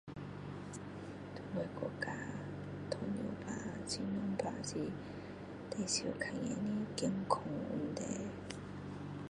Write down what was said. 在我的国家，糖尿病，心藏病。是最常看见的健康问题。